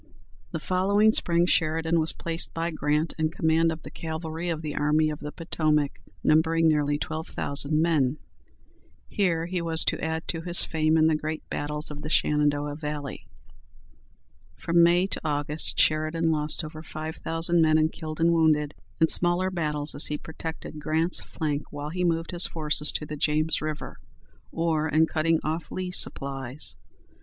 The following spring Sheridan was placed by Grant in command of the cavalry of the Army of the Potomac, numbering nearly twelve thousand men. Here he was to add to his fame in the great battles of the Shenandoah Valley. From May to August Sheridan lost over five thousand men in killed and wounded, in smaller battles as he protected Grant's flank while he moved his forces to the James River, or in cutting off Lee's supplies.